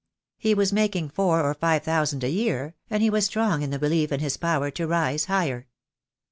He was making four or five thousand a year, and he was strong in the belief in his power to rise higher.